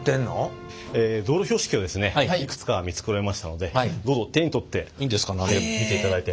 道路標識をいくつか見繕いましたのでどうぞ手に取って見ていただいて。